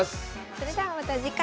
それではまた次回。